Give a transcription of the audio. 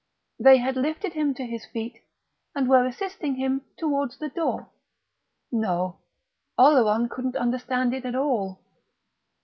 They had lifted him to his feet, and were assisting him towards the door.... No, Oleron couldn't understand it at all.